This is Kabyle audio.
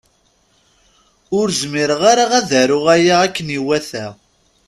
Ur zmireɣ ara ad aruɣ aya akken iwata.